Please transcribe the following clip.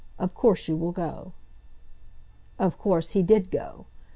Of course you will go." Of course he did go.